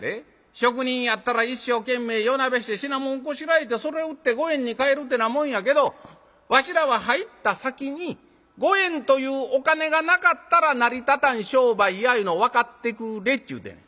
職人やったら一生懸命夜なべして品物こしらえてそれを売って五円に換えるてなもんやけどわしらは入った先に五円というお金がなかったら成り立たん商売やいうの分かってくれっちゅうてんねん。